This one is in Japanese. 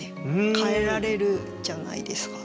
変えられるじゃないですか。